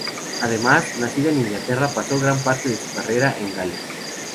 Aunque nacida en Inglaterra, pasó gran parte de su carrera en Gales.